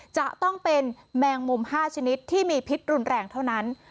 จะต้องเป็นแมงมุม๕ชนิดที่มีพิษรุนแรงเท่านั้น